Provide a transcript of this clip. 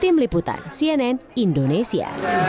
tim liputan cnn indonesia